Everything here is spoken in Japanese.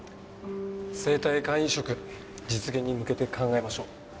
生体肝移植実現に向けて考えましょう。